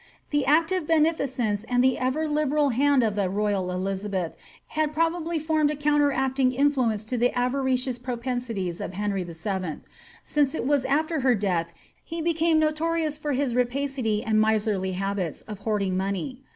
The active beneficence and the ever liberal hand of the royal Elizabeth had probably formed a counteracting influence to the avaricious propensities of Henry VH.^ since it was after her death he be came notorious for his rapacity and miseriy habits of hoarding money.